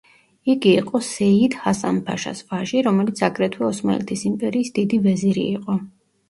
იგი იყო სეიიდ ჰასან-ფაშას ვაჟი, რომელიც აგრეთვე ოსმალეთის იმპერიის დიდი ვეზირი იყო.